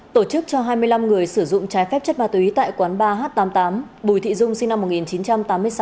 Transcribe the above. tổ chức cho hai mươi năm người sử dụng trái phép chất ma túy tại quán ba h tám mươi tám bùi thị dung sinh năm một nghìn chín trăm tám mươi sáu